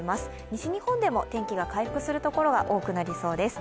西日本でも天気が回復する所が多くなりそうです。